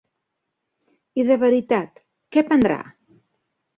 I de veritat, què prendrà?